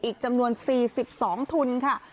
อีกจำนวน๔๒ทุนค่ะ